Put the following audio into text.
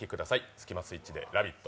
スキマスイッチで「ラヴィット！」